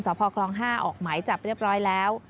สคล๕ออกไหมจับเรียบร้อยแล้ว